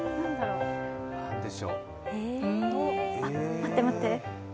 待って待って。